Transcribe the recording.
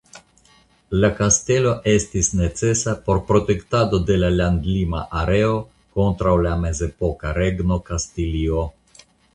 La kastelo estis necesa por protektado de landlima areo kontraŭ la mezepoka Regno Kastilio.